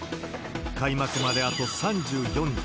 開幕まであと３４日。